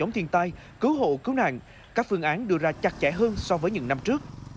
giao tay cứu hộ cứu nạn các phương án đưa ra chặt chẽ hơn so với những năm trước